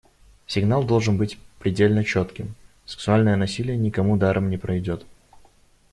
Сигнал должен быть предельно четким: сексуальное насилие никому даром не пройдет.